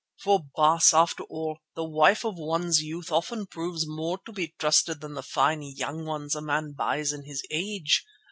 "For, Baas, after all, the wife of one's youth often proves more to be trusted than the fine young ones a man buys in his age.